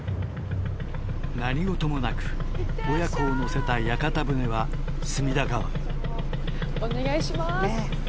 何事もなく親子を乗せた屋形船は隅田川へお願いします。